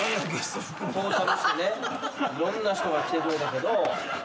トータルしてねいろんな人が来てくれたけど。